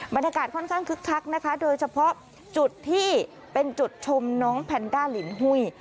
บรรยากาศค่อนข้างคึกคักนะคะโดยเฉพาะจุดที่เป็นจุดชมน้องแพนด้าลินหุ้ย